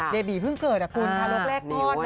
เดบีเพิ่งเกิดอ่ะคุณค่ะโรคแรกก่อน